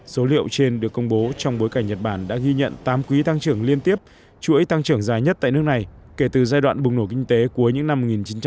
số liệu trên được công bố trong bối cảnh nhật bản đã ghi nhận tám quý tăng trưởng liên tiếp chuỗi tăng trưởng dài nhất tại nước này kể từ giai đoạn bùng nổ kinh tế cuối những năm một nghìn chín trăm bảy mươi